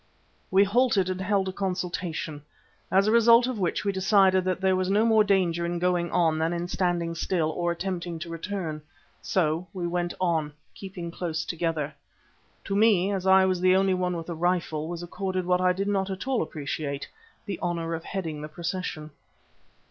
We halted and held a consultation, as a result of which we decided that there was no more danger in going on than in standing still or attempting to return. So we went on, keeping close together. To me, as I was the only one with a rifle, was accorded what I did not at all appreciate, the honour of heading the procession.